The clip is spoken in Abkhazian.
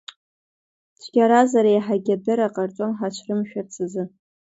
Цәгьаразар, еиҳагьы адырра ҟарҵон ҳарцәымшәарц азы.